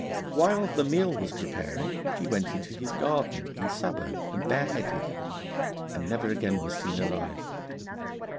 While the meal was preparing, he went into his garden in sabots and bareheaded, and never again was seen alive.